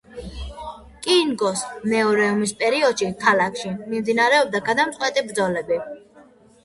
კონგოს მეორე ომის პერიოდში ქალაქში მიმდინარეობდა გადამწყვეტი ბრძოლები.